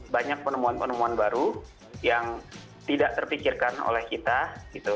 banyak penemuan penemuan baru yang tidak terpikirkan oleh kita gitu